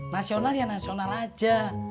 nasional ya nasional aja